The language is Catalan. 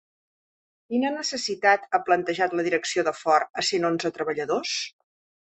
Quina necessitat ha plantejat la direcció de Ford a cent onze treballadors?